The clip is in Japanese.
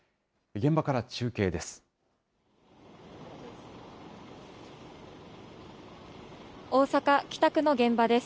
現場から中継です。